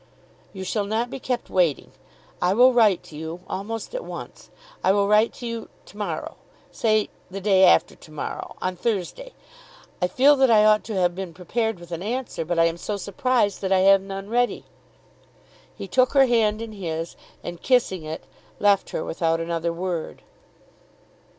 "You shall not be kept waiting. I will write to you, almost at once. I will write to you, to morrow; say the day after to morrow, on Thursday. I feel that I ought to have been prepared with an answer; but I am so surprised that I have none ready." He took her hand in his, and kissing it, left her without another word.